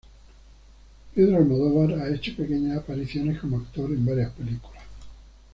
Pedro Almodóvar ha hecho pequeñas apariciones como actor en varias películas.